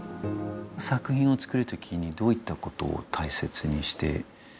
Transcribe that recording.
作品を作る時にどういったことを大切にしていますか？